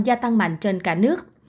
gia tăng mạnh trên cả nước